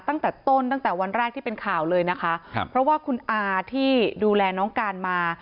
ตั้งแต่ต้นตั้งแต่วันแรกที่เป็นข่าวเลยนะคะครับเพราะว่าคุณอาที่ดูแลน้องการมา